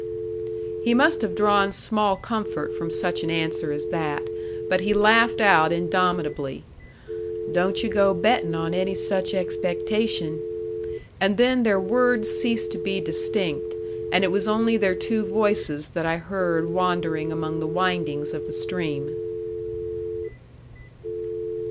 He must have drawn small comfort from such an answer as that. But he laughed out indomitably: "Don't yu' go betting on any such expectation!" And then their words ceased to be distinct, and it was only their two voices that I heard wandering among the windings of the stream.